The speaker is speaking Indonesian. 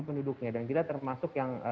penduduknya dan kita termasuk yang